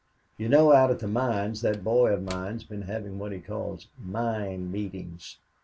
You know out at the mines that boy of mine has been having what he calls 'Mine Meetings.'